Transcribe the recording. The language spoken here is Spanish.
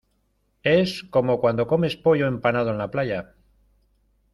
es como cuando comes pollo empanado en la playa.